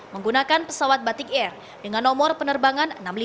menggunakan pesawat batik air dengan nomor penerbangan enam ribu lima ratus tujuh puluh tiga